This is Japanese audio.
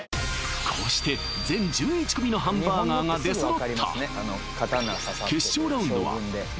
こうして全１１組のハンバーガーが出揃った！